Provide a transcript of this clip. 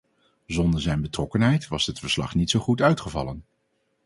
Zonder zijn betrokkenheid was dit verslag niet zo goed uitgevallen.